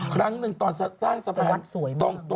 ครั้งหนึ่งตอนสร้างสะพานสวย